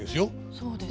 そうです。